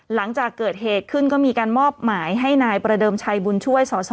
หลังจากเกิดเหตุขึ้นก็มีการมอบหมายให้นายประเดิมชัยบุญช่วยสส